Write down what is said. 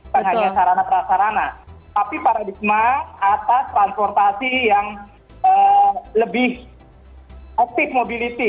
bukan hanya sarana prasarana tapi paradigma atas transportasi yang lebih aktif mobility